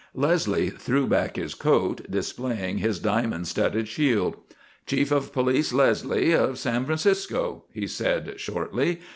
Leslie threw back his coat, displaying his diamond studded shield. "Chief of Police Leslie of San Francisco," He said, shortly.